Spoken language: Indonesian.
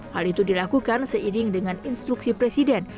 hal itu dilakukan seiring dengan instruksi presiden